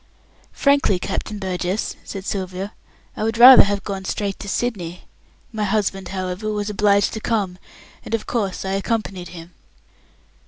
"Frankly, Captain Burgess," said Sylvia, "I would rather have gone straight to Sydney. My husband, however, was obliged to come, and of course I accompanied him."